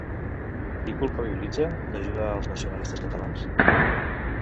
A qui culpabilitza d'ajudar als nacionalistes catalans?